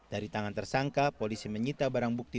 dari tangan tersangka polisi menyita barang bukti